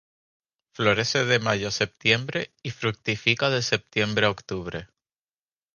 Florece de mayo a septiembre y fructifica de septiembre a octubre.